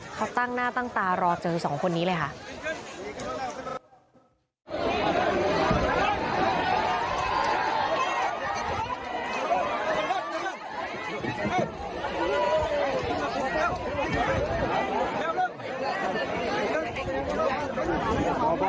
เขาตั้งหน้าตั้งตารอเจอสองคนนี้เลยค่ะ